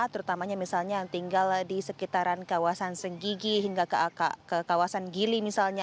terutamanya misalnya yang tinggal di sekitaran kawasan senggigi hingga ke kawasan gili misalnya